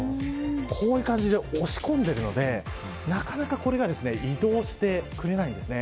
こういう感じで押し込んでいるのでなかなかこれが移動してくれないんですね。